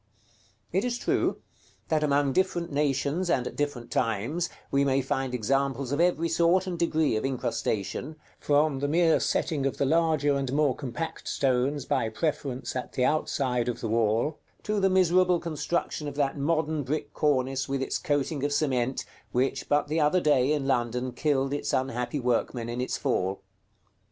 It is true, that among different nations, and at different times, we may find examples of every sort and degree of incrustation, from the mere setting of the larger and more compact stones by preference at the outside of the wall, to the miserable construction of that modern brick cornice, with its coating of cement, which, but the other day, in London, killed its unhappy workmen in its fall.